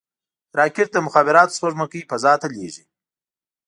راکټ د مخابراتو سپوږمکۍ فضا ته لیږي